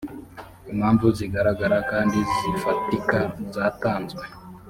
impamvu zigaragara kandi zifatika zatanzwe